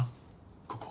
ここ。